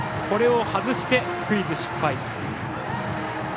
これをはずして、スクイズ失敗。